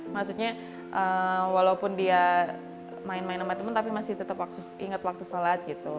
maksudnya walaupun dia main main sama temen tapi masih tetap ingat waktu sholat gitu